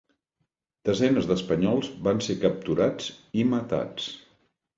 Desenes d’espanyols van ser capturats i matats.